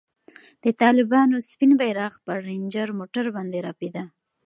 د طالبانو سپین بیرغ پر رنجر موټر باندې رپېده.